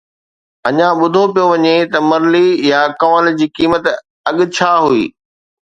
اڃا ٻڌو پيو وڃي ته مرلي يا ڪنول جي قيمت اڳ ڇا هئي.